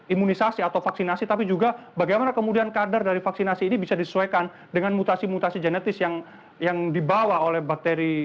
imunisasi atau vaksinasi tapi juga bagaimana kemudian kadar dari vaksinasi ini bisa disesuaikan dengan mutasi mutasi genetis yang dibawa oleh bakteri